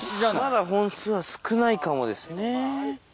まだ本数は少ないかもですね。